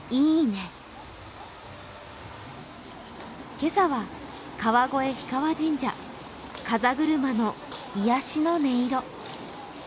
今朝は川越氷川神社、かざぐるまの癒やしの音色。